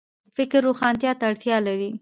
فکر روښانتیا ته اړتیا لري